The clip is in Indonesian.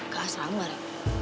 ke asal mari